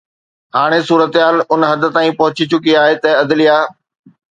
هاڻي صورتحال ان حد تائين پهچي چڪي آهي ته عدليه